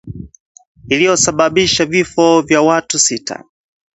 iliyosababisha vifo vya watu sita